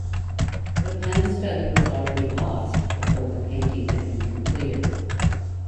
The pen study was already lost before the painting had been completed.